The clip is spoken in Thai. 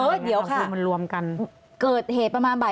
เออเดี๋ยวค่ะ